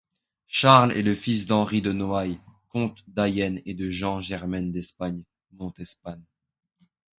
Charles est le fils d'Henri de Noailles, comte d'Ayen et de Jeanne Germaine d'Espagne-Montespan.